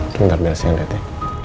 tunggal biasa ya dede